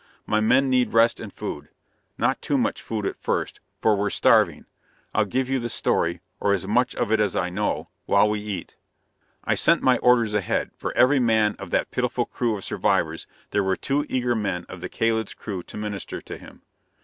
My men need rest and food not too much food, at first, for we're starving. I'll give you the story or as much of it as I know while we eat." I sent my orders ahead; for every man of that pitiful crew of survivors, there were two eager men of the Kalid's crew to minister to him.